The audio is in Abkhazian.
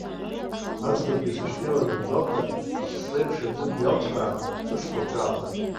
Аӡӷабгьы сышнеиуаз ангәалҭа аԥслы аиԥш аӡы дҩалҵәраан, сышҟа лҿаалхеит.